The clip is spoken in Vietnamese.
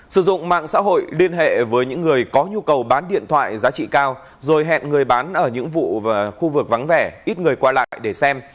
sử dụng mạng xã hội liên hệ với những người có nhu cầu bán điện thoại giá trị cao rồi hẹn người bán ở những khu vực vắng vẻ ít người qua lại để xem